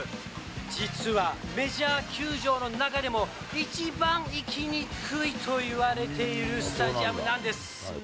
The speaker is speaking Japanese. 実はメジャー球場の中でも、一番行きにくいといわれているスタジアムなんです。